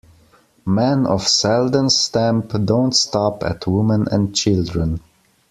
Men of Selden's stamp don't stop at women and children.